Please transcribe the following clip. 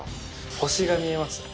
星が見えましたね。